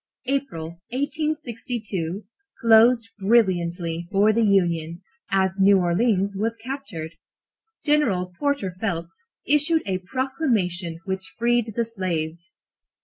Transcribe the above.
April, 1862, closed brilliantly for the Union, as New Orleans was captured. General Porter Phelps issued a proclamation which freed the slaves.